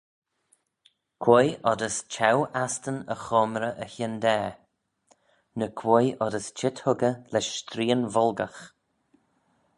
Quoi oddys cheu-astan e choamrey y hyndaa? ny quoi oddys cheet huggey lesh streean-volgagh?